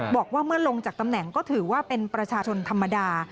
บอกว่าเมื่อลงจากตำแหน่งก็ถือว่าเป็นประชาชนธรรมดา